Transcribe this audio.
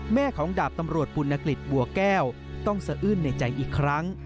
แม่ของดาบตำรวจปุณกฤษบัวแก้วต้องสะอื้นในใจอีกครั้ง